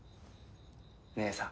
姉さん。